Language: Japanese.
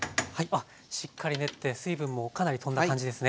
しっかり練って水分もかなりとんだ感じですね。